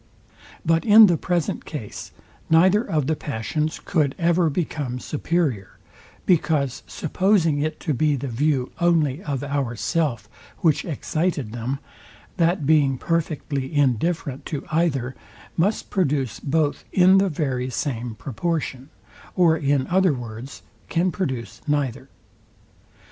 But in the present case neither of the passions could ever become superior; because supposing it to be the view only of ourself, which excited them, that being perfectly indifferent to either, must produce both in the very same proportion; or in other words, can produce neither.